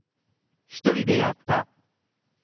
１人でやった。